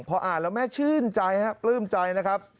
พออ่านแล้วแม่ชื่นใจครับปลื้มใจนะครับ